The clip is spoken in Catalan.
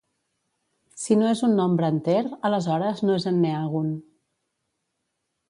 Si no és un nombre enter, aleshores no es enneàgon.